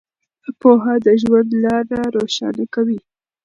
پوهه د ژوند لاره روښانه کوي.